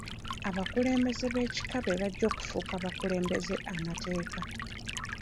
Abakulembeze b'ekika be bajja okufuuka abakulembeze amateeka.